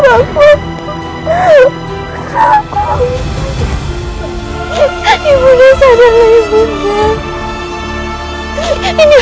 aku terlalu terlalu